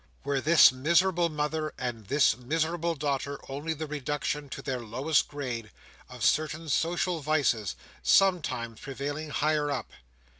Were this miserable mother, and this miserable daughter, only the reduction to their lowest grade, of certain social vices sometimes prevailing higher up?